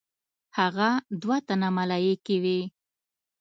هغه دوه تنه ملایکې وې.